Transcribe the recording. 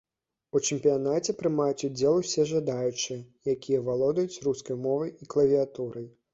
У чэмпіянаце прымаюць удзел усе жадаючыя, якія валодаюць рускай мовай і клавіятурай.